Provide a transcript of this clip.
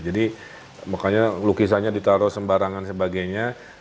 jadi makanya lukisannya ditaruh sembarangan sebagainya